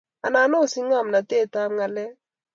Anan osich ngomnatetab ngalek